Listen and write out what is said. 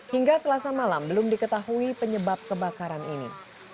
hingga selasa malam belum diketahui penyebab kebakaran ini